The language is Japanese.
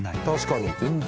確かに。